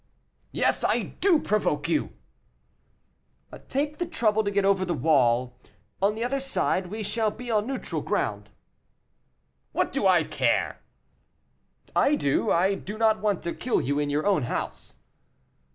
"Yes, I do provoke you." "Take the trouble to get over the wall; on the other side we shall be on neutral ground." "What do I care!" "I do; I do not want to kill you in your own house."